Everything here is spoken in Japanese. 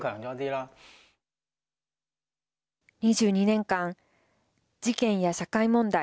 ２２年間事件や社会問題